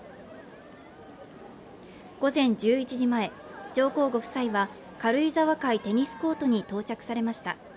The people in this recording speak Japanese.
午前１１時前上皇ご夫妻は軽井沢会テニスコートに到着されました